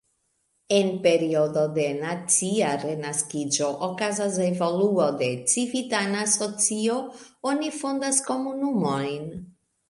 En periodo de nacia renaskiĝo okazas evoluo de civitana socio, oni fondas komunumojn.